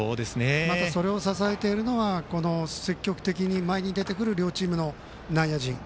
またそれを支えているのは積極的に前に出てくる両チームの内野陣。